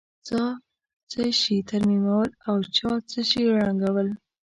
چا څه شي ترمیمول او چا څه شي ړنګول.